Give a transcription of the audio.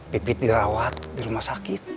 pipit dirawat di rumah sakit